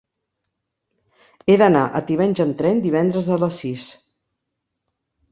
He d'anar a Tivenys amb tren divendres a les sis.